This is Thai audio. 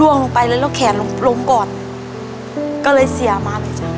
ลงไปแล้วแล้วแขนลงก่อนก็เลยเสียมาเลยจ้